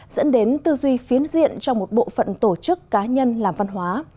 dẫn đến tư duy phiến diện cho một bộ phận tổ chức cá nhân làm văn hóa